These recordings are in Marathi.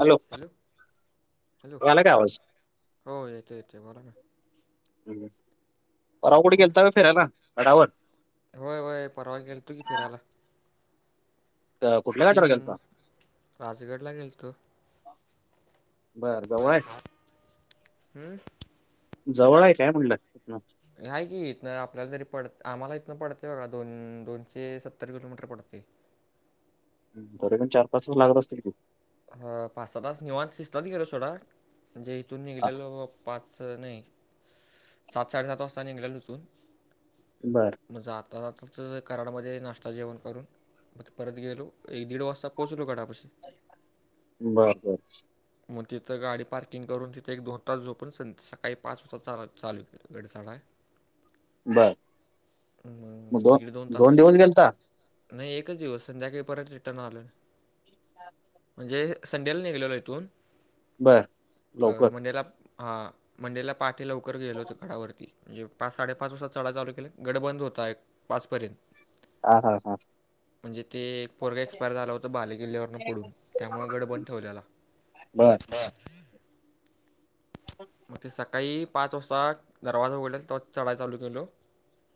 हॅलो आला काय आवाज? ते बोला ना हम्म. परवा कुठे हम गेलता व्हय फिरायला गडावर होय होय परवा गेल तू की फिरायला क- कुठल्या गडावर तीम गेलता राजगडला गेल तो जवळ बर आहे हम् जवळ आहे काय म्हणलं नाही की इथन आपल्याला जरी पडत आम्हाला इथनं पडते बघा दोन दोनशे सत्तर किलोमीटर पडते तर पण चार पाच लागत असतील ति अ पाच स तास निव शिसत त गर सोडा म्हणजे इथून आ, निघलेल पाच नाही सात साडेसात वाजता निघल्या उचून बर तच कराडमध्ये नाश्ता जेवण करून म परत गेलो एक दीड वाजता पोहचलो काडा पशी बर बर मग तिथं गाडी पार्किंग करून तिथे एक दोन तास झोपून सं सकाळी पाच वाजता चाल चालू के गडी चालाय बर मग दोन दोन दिवस गेलता नाही एकच दिवस संध्याकाळी परत रिटर्न आलं अच्छा म्हणजे संडेला निघलेलो इथून बर अ लवकर मंडेला हां म्हंजेला पाहाठीे लवकर गेलोच घडावरती म्हणजे पाच साडेपाच वाजता चढ चालू केला गड बंद होता एक पाचपर्यंत ह हा हा म्हणजे ते एक पोरगा एक्सपायर झाला होता बाले किल्ल्यावरं पडून त्यामुळे गड बंद ठेवलेला बर मग ते सकाळी पाच वाजता दरवाजा उघडला ते्हा चढाय चालू केलो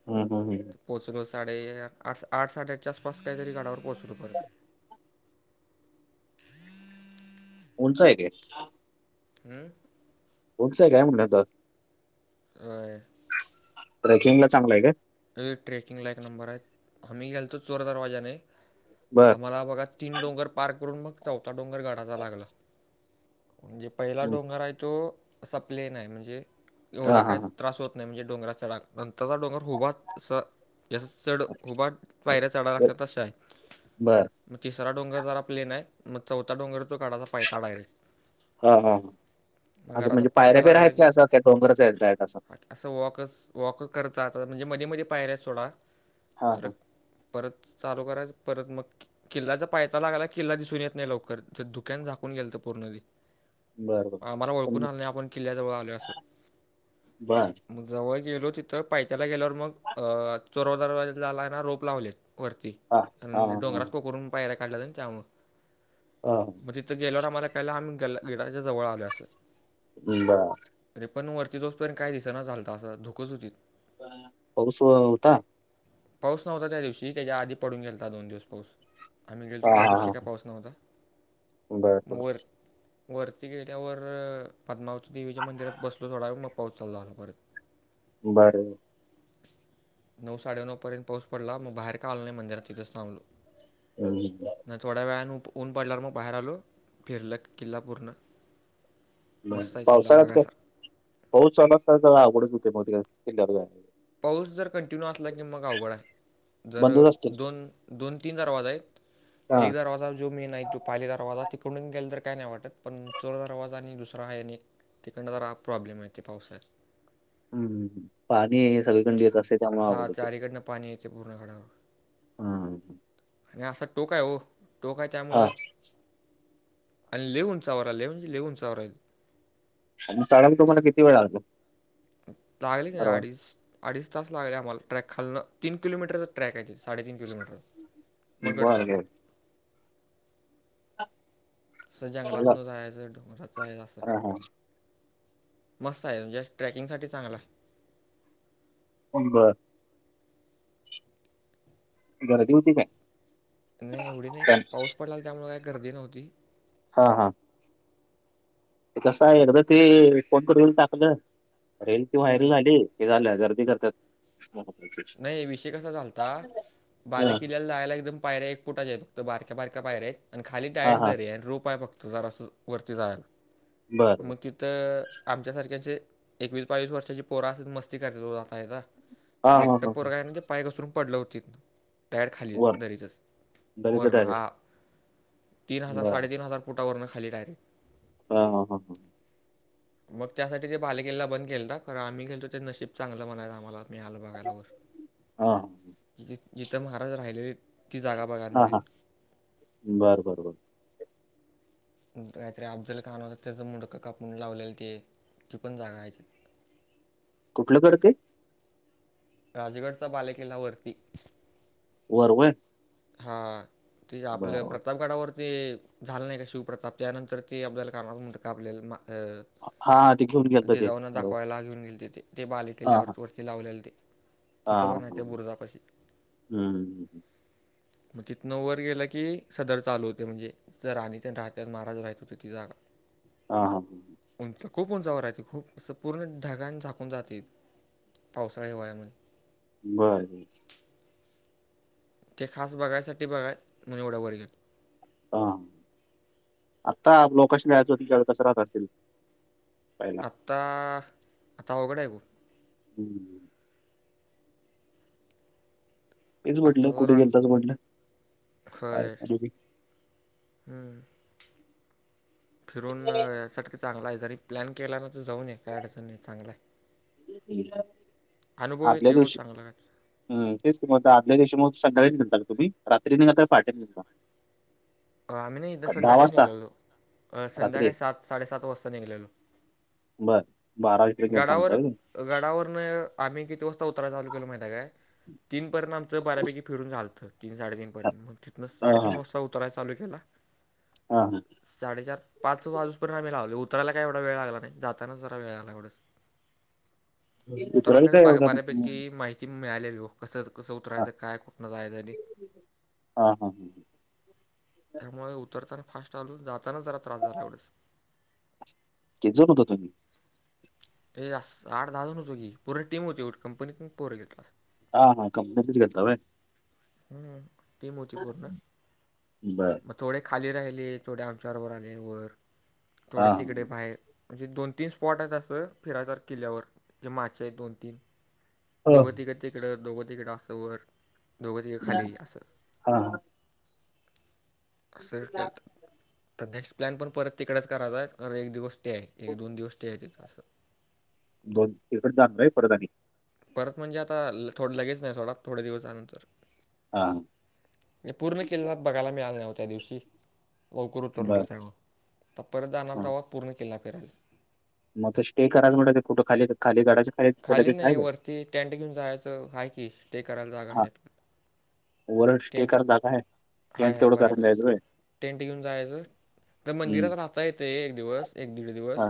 हा हम ह पोचलो साडे आठ आठ साडेआठच्या आस पास काहीतरी गाडावर पोहोचलू पत उंच आहे तेे हम्म उचय काय [inaudible] अ ट्रेकिंग ला चांगलं आहे का अ ट्रेकिंग ला एक नंबर आहे हमही गेलेतो चोर दरवाजाने बर आम्हाला बघा तीन डोंगर पार्क करून मग चौथा डोंगर गडाचा लागला म्हणजे पहिला हम्म. डोंगर आहे तो असा प्लेन आहे म्हणजे एवढा हा हा काय हा त्रास होत नाही म्हणजे डोंगराचा नंतर डोंगरच सं च उबाट पायऱ्या चढायला ओके. लागतात तशा आहे बर म्हग तिसरा डोंगर जरा प्लेन आहे मग चौथा डोंगर तो काढायचा पाहता डायरेक्ट हा हा मग असं घराचा म्हणजे पायथा पायऱ्या बियर्या लागला की काय असं काय डोंगर असं वॉकच वॉक करत जातात म्हणजे मध्ये म पायऱ्यात सोडा हा तर हा परत चालू करायच परत मग किल्लाचा पायथा लागाला किल्ला दिसून येत नाइ लवकर ज धुक्यान झाकून गेलत पूर्ण ते बर बर आम्हाला ओळखून पण- आलं नाइ आपण किल्ल्या जवळ आलो असं बर जवळ गेलो तिथं पायथ्याला गेल्यावर मग अ चोर दरवाजला ना रोप लावलेत वरती हा हा आणि हा डोंगरात कोकरून पायऱ्या काढल्यात त्यामुळं हा. म तिथं गेल्यावर आम्हाला काळाल आम्ही गडा गेडाच्या जवळ आलो असं हम्म् बर. तरी पण वरती जाऊस पर्यंत काय दिसना झालत असं धुकच होती पाऊस [unintelligible] होता. पाऊस नव्हता त्या दिवशी तेज्या आधी पडून गेलता दोन दिवस पाऊस आम्ही गेलो हा त्या हा दिवशी हा काय पाऊस नव्हता. मग वर [inaudible] वरती गेल्यावर पद्मावती देवीच्या मंदिरात बसलो थोडा मग पाऊस चालू झाला परत [inaudible] नऊ साडेनऊ पर्यंत पाऊस पडला म बाहेर काय आलो नाइ मंदिरात तिथंच थांबलो. हम्म. नाय थोड्या वेळान उ ऊन पडल्यावर म बाहेर आलो फिरलत किल्ला पूर्ण मस्त आहे किल्ला पावसाळ्यात काय बघायसारखा पाऊस चालू असला सगळं अवघड होतंय [unintelligible] पाऊस जर कंटिन्यू असला की मग अवघड आहे. जर बंदच असतील दोन दोन तीन दरवाज आहेत. हा एक दरवाजा जो मी नाही तो पहिले दरवाजा तिकडून गेला तर काय नाही वाटत पण चो दरवाजा आणि दुसरा आहे आणि तिकडनं जरा प्रॉब्लेम आहे ते पावसात. हम् पाणी हे सगळीकड येत असत. स झारीकडनं पाणी यायचें पूर्ण खड्यावर. हम्म आणि असा टोकाय हो टोकाय हा त्यामुळं आणि लय उंचावर आलय लय उंचावर राही [unintelligible] तुम्हाला किती वेळ लागतो? लागले की अडीच अडीच तास लागले आम्हाला ट्रॅक खालनं तीन किलोमीटरचा ट्रॅक हाय तिथं साडेतीन किलोमीटर म गड बर चालू बर [inaudible] असं जंगलात बर. न जायचं डोंगराच असं हा हा मस्त हाय म्हणजे ट्रेकिंगसाठी चांगलाय उ बर. गरदी होती काय? नाइ एवढी नाइ पाऊस पडलाला त्यामुळे काय गर्दी नव्हती. हा हा. कसाय एकदा ते फोन करून टाकलं रेल कि व्हायर हम्म झाली की झालं गर्दी करत्यात. नाही विषय कसा झालता हा बाले किल्ल्याला जायला एकदम पायऱ्या बुटाचे फक्त बारक्या बारक्या पायर आहेत आणि खाली हा डायट हा दरी आणि रूप आहे फक्त जरा अस वरती जायला. बर बर लिखित आमच्यासारख्या जे एकवीस बावीस वर्षाची पोरा असतात मस्ती करतात जात आहे का? हा हा मेंटल हा ह पोरग हायजे पाय घसरून पडलं होती. टायर खाली वर दरीचंच दरीच वरन डायरेक्ट हाआ. तीन हजार बर साडेतीन हजार फुटावरून खाली डायरेक. हा ह हा हा. मग त्यासाठी ते बालेकिल्ला बंद केलता खरं आम्ही गेलतो ते नशीब चांगलं म्हणायचं आम्हाला. मी आलो बघायलावर हा हा जिथं महाराज राहिलेले ती जागा बघायला हा हा मिळाली बर बर बर. काहीतरी अफजलखान होत त्याचं मुडकं कापून लावलेल ते ती पण जागा हाय तिथ. कुठलं करते. राजगडचा बालेकिल्ला वरती. परव... हा ते आपलं प्रतापगडावर ते झालं नाही का शिवप्रताप त्यानंतर ते अफजलखान मुंडक कापलेल अ हा हा ते घेऊन गेलत ते जिजाऊना बरोबर दाखवायला घेऊन गेलते ते. ते हा हा बालेकिल्ल्यावरती वरती लावले ते. हा हा तिथं पण आहेत हा. त्या बुरजापाशी. हम्म मग तिथनं वर गेल की सदर चालू होते म्हणजे जिथं राणी राहायच्या महाराज राहत होते ती जागा. हा हा हा ह. उंच खूप उंचावर आहे ते खूप असं पूर्ण ढगाने झाकून जाते पावसाळ्या हिवाळ्यामध्ये. बर. ते खास बघायसाठी बघाय म्हणजे एवढ्या वर गेलो. हा आता त्या वेळी कसं राहत असतील आता आता अवघड आहे बुआ. हमम. तेच म्हटलं आत्ता कुठे जरा गेलतास म्हटलं. खय हम्म. फिरून यासाठी चांगला आहे जरी प्लॅन केला ना तर जाऊन ये काय अडचणी चांगला आहे. अनुभव येतो हो चांगला. हम तेच आदल्या दिवशी म सकाळी निघता तुम्ही रात्री निघाता पहाटे निघता. आम्ही नाही इथ संध्याकाळी निघलेलो संध्याकाळी सात साडेसात वाजता निघलेलो ब गडावर गडावर न आम्ही किती वाजता ऊ उतराया चालू केलं माहितीये का तीन पर्यंत आमचा बऱ्यापैकी फिरून झालत तीन साडेतीन पर्यंत मग तिथनं हा हा साडेतीन वाजता उतराय चालू केला हा हा साडेचार पाच वाजूपर्यंत आम्ही लावले होत. चढायला वेळ लागला नाही जाताना जरा वेळ आला एवढंच. उतराला का एवढ मी आलेलो हो कसं कसं उतरायचं काय कुठन जायच ते. हा हा त्यामुळे उतरताना फास्ट आलो जातानाच जरा त्रास झाला एवढंच. किती जण होता तुम्ही. अस आठ दहाजण होतो की पुरी टीम होते कंपनी पोरं घेतल. हा हा कंपनीनेच घेतला होय. टीम होती पूर्ण बर. मग थोडे खाली राहिले थोडे आमच्याबरोबर आले वर हा थोडे तिकडे बाहेर म्हणजे दोन तीन स्पॉट आहेत असं फिरायसारख किल्ल्यावर म्हणजे माचे आहेत दोन तीन. हा दोघ तिघं तिकडं दोघ तिकडं अस वर दोघ तिघ खाल्ली अस हा हा हा असं केल तर नेक्स्ट प्लॅन पण परत तिकडेच करायचाय एक दिवस स्टे एक दोन दिवस स्टे आहे तिथं असं दोन [unintelligible] आहे परत आणि परत म्हणजे आता थोडं लगेच नाही थोडा थोडे दिवसानंतर हा हा पूर्ण किल्ला बघायला मिळालं नाही ओ त्या दिवशी [unintelligible] उतरल [unintelligible] बर आता परत हा जाणार वा पूर्ण किल्ला फिरायला मग आता स्टे करायचं म्हटलं ते कुठे खाली खाली गडाच्या तिथं खाली लगेच नाही आहे काय वरती टेंट घेऊन जायचं आहे की स्टे करायला जागा हा आहे [unintelligible] स्टे करायला जागा आहे [unintelligible] जायचं आहे बऱ्यापैकी होय टेंट घेऊन जायचं तर हम्म. मंदिरात राहता येते एक दिवस एक दीड हा दिवस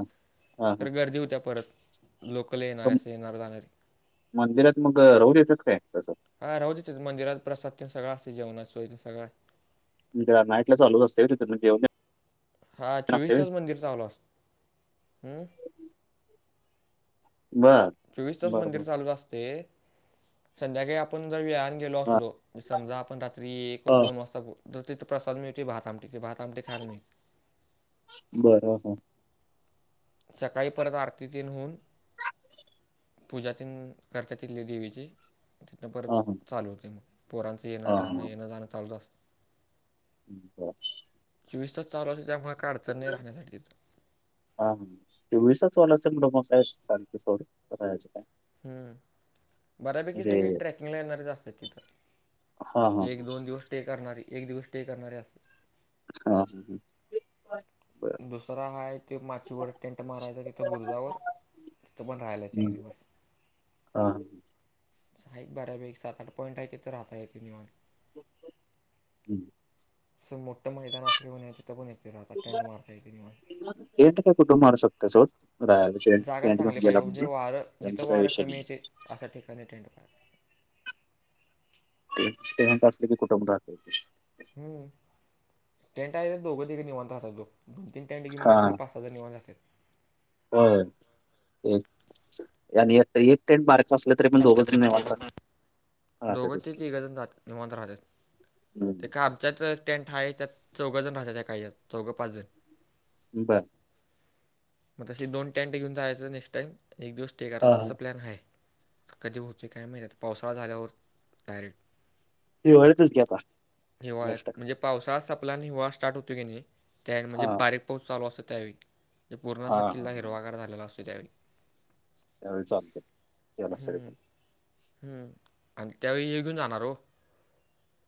हा हा तर गर्दी होत्या परत लोकल येणारे असे येणार जाणारे मंदिरात मग राहू देतात काय तसं हा राहू देत्यात मंदिरात प्रसाद ते सगळं असते जेवणाची सोय सगळ म्हणज नाईटला चालू असते [unintelligible] हा चोवीस तास मंदिर चालू असतो हम बर चोवीस तास मंदिर बरोबर. चालूच आसतंय संध्याकाळी आपण जर व्या ने गेलो असलो समजा आपण रात्री एक हां, दोन वाजता [unintelligible] तिथ प्रसाद मिळतोय भात आमटी ती भात आमट खायल मी बरं सकाळी परत आरतीतन होऊन पूजाती करतातील देवीचे तिथनं परच हां. चालू होते मग पोरांचं येणं हां, जाणं येणं जाणं चालत असतं ् ब चोवीस तास चालू असते त्यामु का अडचण नाही राहण्यासाठी ह तेसच वच रोमस आहे शां सोडयचे काय हम्म बऱ्यापैकी म्हणजे सगळी ट्रेकिंगला येणारच असत हां, तिथं हां, एक दोन दिवस स्टे करणारी एक दिवस स्टे करणारे अस हा हा ह् दुसरा हा आहे ते माचीवर टेंट मारायचा तिथं बुरजावर. तीथ पण राहायलाच एक दिवस. हा. सा एकक बऱ्यापैक [unintelligible] सात, आठ पॉइंट आहे ते तर राहता येते निवांत. हम्म. अस मोठं मैदान असले म्हणे ए ट काय कुटुंब मू शकत सोट रा [unintelligible] जागा चांगली पाहिजे म्हणजे वारं जिथं काही वारं विषय कमी नाही. येते अशा ठिकाणी टेंट असले की कुटुब राहत हम् त्यांटाय दोघं दे निवनताता तो दोन तीन टँडी घेऊन गेले की हां, पाच हजार निवन जातात होय. तेच. आणि एक टेंट मार्क दोघ राहतातच ते की. तघजण निव राहतात ते हं, का आमचात टेंट आहे त्यात चौघ जण राहत त्या काही चौघ पाच जण बर मग तसे दोन टेंट घेऊन जायचं नेक्स्ट टाइम एक दिवस स्टे हां, करायचा हां. असं प्लॅन आहे कधी होते काय महिन्यात पावसाळा झाल्यावर डायरेक्ट त वळतेच घे आता नेक्स्ट आपल्या हिवाळा स्टार्ट होत की नाही त्या म्हणजे हां. बारीक पाऊस चालू असतो त्यावेळी ज हा पूर्णाचा हा किल्ला हिरवागार झालेला असतो त्यावेळी चलते यामार हम्म सरक हम्म आणि त्यावेळी ये घेऊन जाणार हो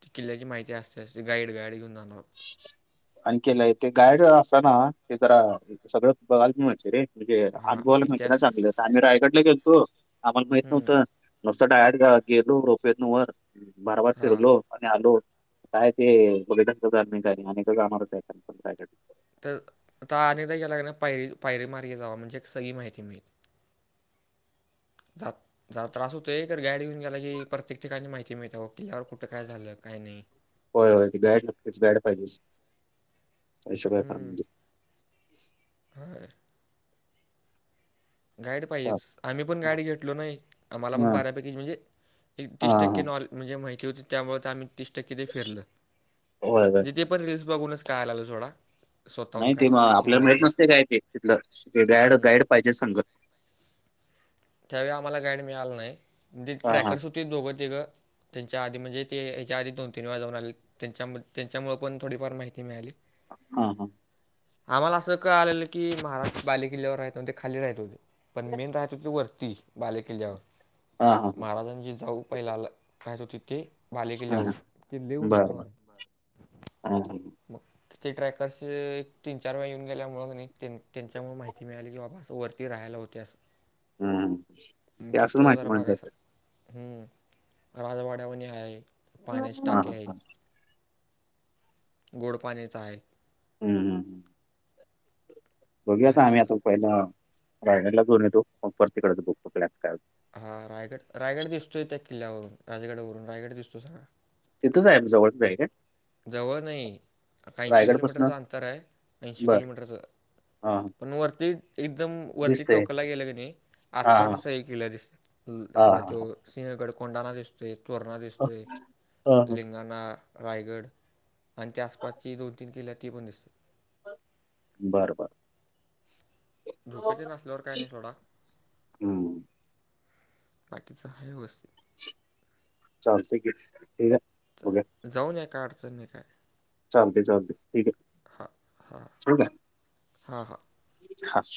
ती किल्ल्याची माहिती असते असते गाईड गाईड घेऊन जालो आणि केला ते गाईड असताना ते जरा सगळं बघाल मियच रे म्हणजे [unintelligible] हां अनुभवाला माहिती ना, इतिहास चांगले हो आम्ही रायगडला गेलो आम्हाला माहित हम्म. नव्हतं. तु डायर गेलो रोपेतन वर बारबार हां फिरलो आणि आलो. काय ते बघच जाच आणि अनेक [unintelligible] आमणारच आहेय तर तनेदा [unintelligible] याला पायरी पायरी मारर्गे जावा म्हणजे एक सगळी माहिती मिळते. त्रा त्रास होतोय तर गाडी घेऊन गेला की प्रत्येक ठिकाणी माहिती मिळते बो होय होय ते [unintelligible] गाड नगतेच गाड पाहिजेच. अशबा खान हम्म. [unintelligible] होय गाईड पाहिजे हा आम्ही पण हा गाईडी घेतलो नाही आम्हाला पण हा बारा पैकीेज म्हणजे तीस टक्के हा. नॉल म्हणजे माहि ती त्यामुळे आम्ही तीस टक्के ते फिरल होय होय तिथे पण रीलल्स बघून च कायलल सोडा. स्वतःहून नाही काय ते असं मग माहिती आपल्याला गोळा मिळत केलं. नसते काय ते तिथलं गायड हं. गाईड पाहिजे सांगत. त्यावेळी आम्हाला गाईड मिळाला नाही म्हणजे हा हा ट्रॅकर्स होती दोघं तिघ त्यांच्या आधी म्हणजे ते याच्या आधी दोन, तीन, वेळा जाऊन आले त्यांच्यामु त्यांच्यामुळं पण थोडीफार माहिती मिळाली. हा हा. आम्हाला असं काळ आलेलं की महाराष्ट्र बाले किल्ल्यावर, राहत ते खाली राहत होते पण मेन राहत होते वर. ती बालेकिल्ल्यावर हा हा महाराजांन जिजाऊ पहिला खायच होती ते. बाले हां किल्ल्यावर हां किल्ले बरं बरं उंचावर हाय. हां हां ते ट्रॅकर्स एक तीन, चार, वेळा येऊन गेल्यामुळे की नाही त्यांन त्यांच्यामुळे माहिती मिळाली की बाबा असं वर ते राहायला होते असं. हम्म ते असेल माहिती [unintelligible] म्हणूनच हम्म राजवाड्यामनी आहे. पाण्याची हम् टाके आहेत [unintelligible] गोड पाण्याचा आहे. हम्म हम्म. बघू आता भारी आहे आम्ही सर आता पहिला रायगडला जाऊन येतो. मग परत तिकडेच बुक [unintelligible] हा राजगडा वरून रायगड दिसतोस ना, तिथंच आहे जवळच नाही काय [unintelligible] जवळ नाही ऐंशी किलोमीटरच, रायगडपासनं अंतर आहे ऐंशी बरं किलोमीटरच, हां हां पण वरती एकदम वरती दिसतंय टोकाला गेलं की नाही, हां आसपासची हां सगळी किल्लं दिसतात. आपला हां हां तो सिंहगड कोंडाणा दिसतोय, तोरणा हां दिसतोय, हां हां लिंगाणा, रायगड आणि त्या आसपासची दोन-तीन किल्ले आहेत ती पण दिस बर बर. धोक्याचे नसल्यावर काय नाही सोडा. हं बाकीच हाय व्यवस्थित. चालतयं की. आहे जा बघूया जाऊन या काय अडचण नाही काय नही. थांब त्याच्याकडे दे [unintelligible] हा हा हा हा. खास